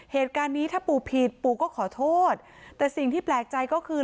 เหตุการณ์นี้ถ้าปู่ผิดปู่ก็ขอโทษแต่สิ่งที่แปลกใจก็คือ